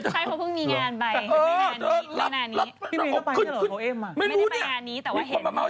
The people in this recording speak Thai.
ใช่เพราะเพิ่งมีงานไป